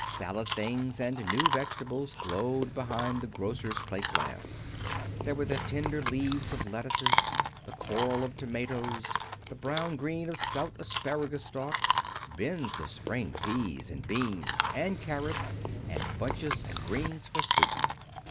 Salad things and new vegetables glowed behind the grocers' plate glass. There were the tender green of lettuces, the coral of tomatoes, the brown green of stout asparagus stalks, bins of spring peas and beans, and carrots, and bunches of greens for soup.